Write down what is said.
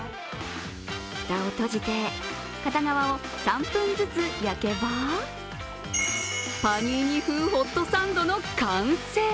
蓋を閉じて、片側を３分ずつ焼けばパニーニ風ホットサンドの完成。